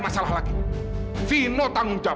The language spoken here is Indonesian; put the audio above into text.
gua cuma ingat tegan ninggalin dia wak